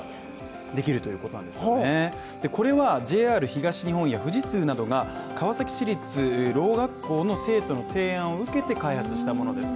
ＪＲ東日本や富士通などが川崎市立聾学校の生徒の提案を受けて開発したものです。